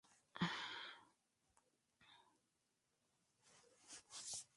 S. African Fl.